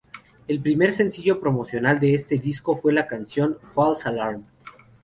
El primer sencillo promocional de este disco fue la canción ""False Alarm.